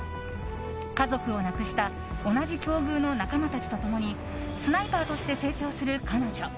家族を亡くした同じ境遇の仲間たちと共にスナイパーとして成長する彼女。